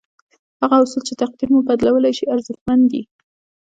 هغه اصول چې تقدير مو بدلولای شي ارزښتمن دي.